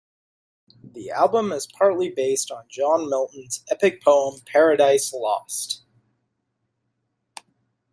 The album is partly based on John Milton's epic poem "Paradise Lost".